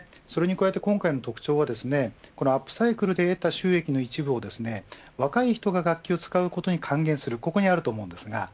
それに加えて今回の特徴はアップサイクルで得た収益の一部を若い人が楽器を使うことに還元するここにあると思います。